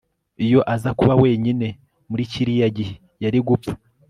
Iyo aza kuba wenyine muri kiriya gihe yari gupfa